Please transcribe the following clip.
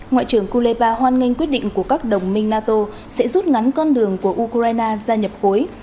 ngoại trưởng kuleba hoan nghênh quyết định của các đồng minh nato sẽ rút ngắn con đường của ukraine gia nhập khối